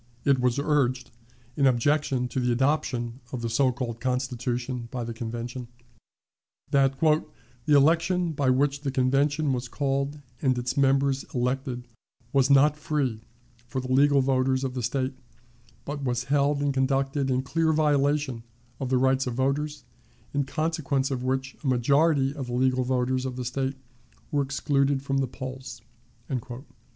It was urged, in objection to the adoption of the so called Constitution by the Convention, that "the election by which the Convention was called and its members elected was not free for the legal voters of the State, but was held and conducted in clear violation of the rights of voters, in consequence of which a majority of the legal voters of the State were excluded from the polls."